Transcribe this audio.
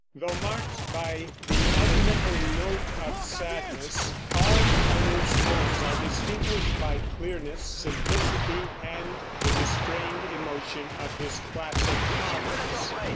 Though marked by "the elemental note of sadness," all Arnold's poems are distinguished by clearness, simplicity, and the restrained emotion of his classic models.